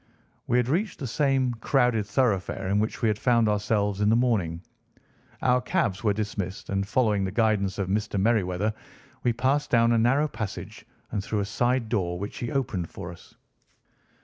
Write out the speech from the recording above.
We had reached the same crowded thoroughfare in which we had found ourselves in the morning. Our cabs were dismissed, and, following the guidance of Mr. Merryweather, we passed down a narrow passage and through a side door, which he opened for us.